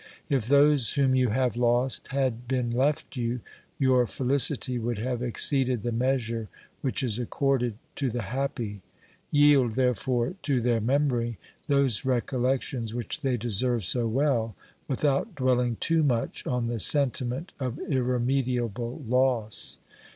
If those whom you have lost had been left you, your felicity would have exceeded the measure which is accorded to the happy. Yield, there fore, to their memory those recollections which they deserve so well, without dwelling too much on the sentiraent of irremediable loss.